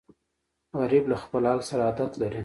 غریب له خپل حال سره عادت لري